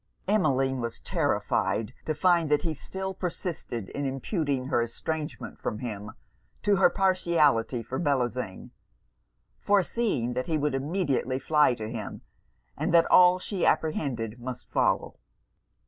Emmeline was terrified to find that he still persisted in imputing her estrangement from him to her partiality for Bellozane; foreseeing that he would immediately fly to him, and that all she apprehended must follow.